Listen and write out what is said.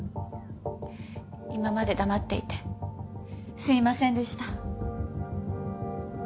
今まで黙っていてすいませんでした。